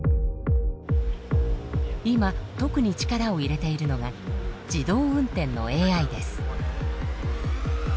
今特に力を入れているのが自動運転のＡＩです。